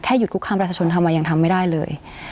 หยุดคุกคามประชาชนทำมายังทำไม่ได้เลย